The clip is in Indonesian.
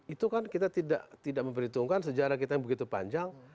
itu kan kita tidak memperhitungkan sejarah kita yang begitu panjang